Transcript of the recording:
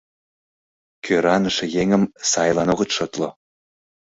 «Кӧраныше еҥым сайлан огыт шотло...»